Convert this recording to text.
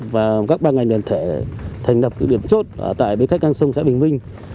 và các ban ngành đền thể thành đập cử điểm chốt tại bến khách ngang sông xã bình minh